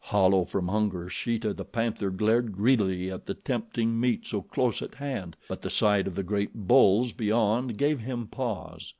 Hollow from hunger, Sheeta, the panther, glared greedily at the tempting meat so close at hand, but the sight of the great bulls beyond gave him pause.